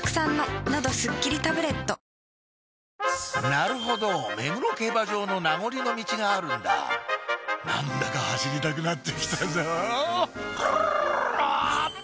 なるほど目黒競馬場の名残のミチがあるんだ何だか走りたくなってきたぞプルルルっと！